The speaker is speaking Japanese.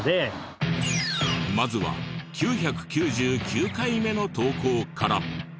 まずは９９９回目の投稿から。